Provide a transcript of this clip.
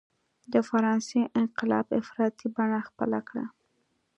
د فرانسې انقلاب افراطي بڼه خپله کړه.